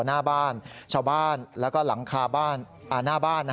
หน้าบ้านชาวบ้านแล้วก็หลังคาบ้าน